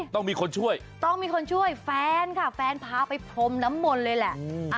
ต้องมีคนช่วยต้องมีคนช่วยแฟนค่ะแฟนพาไปพรมน้ำมนต์เลยแหละ